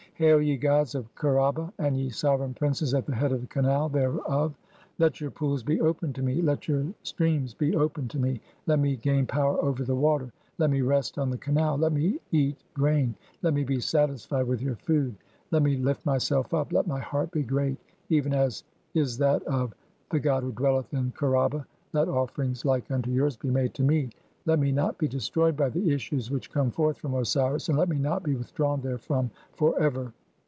Hail, ye gods of (7) Kher "aba, and ye sovereign princes at the head of the canal [thereof], "let your pools be opened to me, let your streams be opened "(8) to me, let me gain power over the water, let me rest on "the canal, let me eat grain, (g) let me be satisfied with your "food, let me lift myself up, let my heart be great, even as [is "that of] (10) the god who dwelleth in Kher aba, let offerings "like unto yours be made to me, let me not be destroyed by "the (n) issues which come forth from Osiris, and let me not "be withdrawn therefrom for ever."